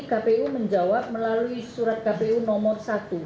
kpu menjawab melalui surat kpu nomor satu